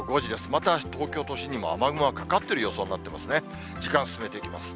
また東京都心にも雨雲がかかってる予想になってますね。